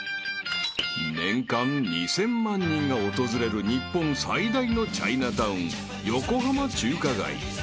［年間２，０００万人が訪れる日本最大のチャイナタウン横浜中華街］